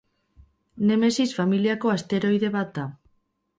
Nemesis familiako asteroide bat da.